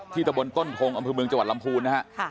ที่ตะบลต้นพงค์อำนาจบริมุงจังหวัดลำพูนนะฮะ